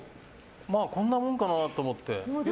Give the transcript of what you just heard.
まあこんなもんかなと思って。